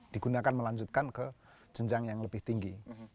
digunakan melanjutkan ke jenjang yang lebih tinggi